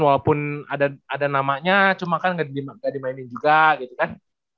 walaupun ada namanya cuma kan nggak dimainin juga gitu kan